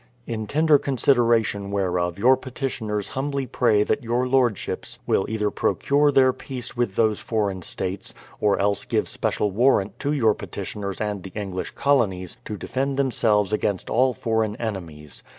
In tender consideration whereof your petitioners humbly pray that your Lordships will either procure their peace with those foreign states, or else give special warrant to your petitioners and the English Colonies, to defend themselves against all foreign enemies.